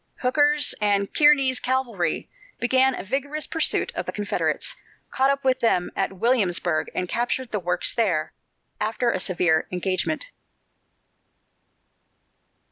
Hooker's and Kearny's cavalry began a vigorous pursuit of the Confederates, caught up with them at Williamsburg and captured the works there, after a severe engagement.